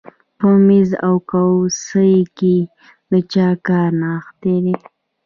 په مېز او څوکۍ کې د چا کار نغښتی دی